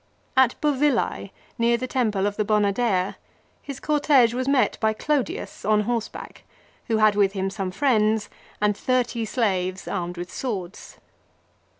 At Bovillse, near the temple of the Bona Dea, his cortege was met by Clodius on horseback, who had with him some friends, and thirty slaves armed with swords.